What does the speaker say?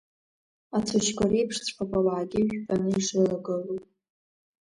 Ацәашьқәа реиԥшҵәҟьоуп ауаагьы жәпаны ишеилагылоу.